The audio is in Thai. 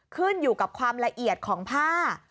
ขึ้นอยู่กับความละเอียดของผ้า